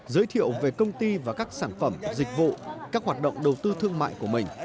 giới thiệu về công ty và các sản phẩm dịch vụ các hoạt động đầu tư thương mại của mình